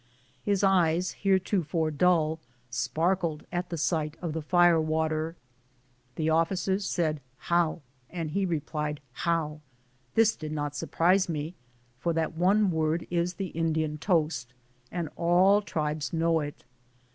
His eyes, heretofore dull, sparkled at the sight of the fire water. The officers said, "How," and he replied, "How." This did not surprise me, for that one word is the In dian toast, and all tribes know it.